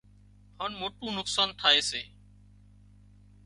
هانَ موٽُون نقصان ٿائي سي